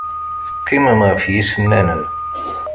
Teqqimem ɣef yisennanen.